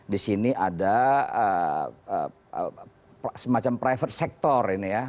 di sini ada semacam private sector ini ya